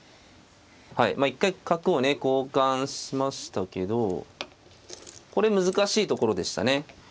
はい一回角をね交換しましたけどこれ難しいところでしたね。